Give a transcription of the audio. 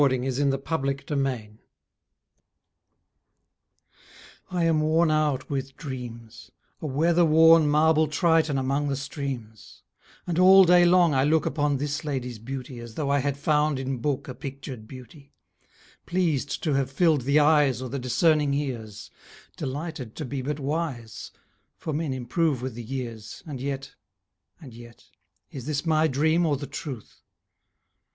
MEN IMPROVE WITH THE YEARS I am worn out with dreams; A weather worn, marble triton Among the streams; And all day long I look Upon this lady's beauty As though I had found in book A pictured beauty, Pleased to have filled the eyes Or the discerning ears, Delighted to be but wise, For men improve with the years; And yet and yet Is this my dream, or the truth?